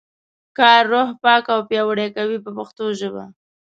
کار روح پاک او پیاوړی کوي په پښتو ژبه.